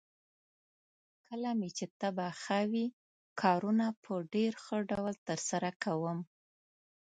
کله مې چې طبعه ښه وي، کارونه په ډېر ښه ډول ترسره کوم.